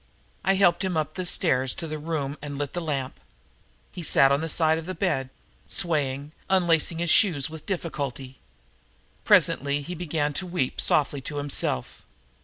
I helped him up the stairs to the room and lit the lamp. He sat on the side of the bed, swaying, unlacing his shoes with difficulty. Presently he began to weep softly to himself.